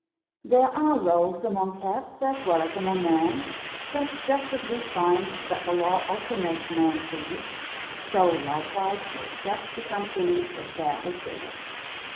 There are rogues among cats as well as among men; but just as we find that the law often makes men thieves, so likewise will cats become thieves if badly treated.